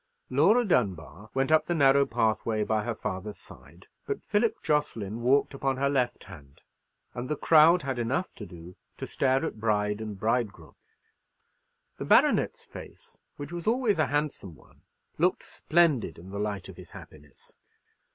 Laura Dunbar went up the narrow pathway by her father's side; but Philip Jocelyn walked upon her left hand, and the crowd had enough to do to stare at bride and bridegroom. The baronet's face, which was always a handsome one, looked splendid in the light of his happiness.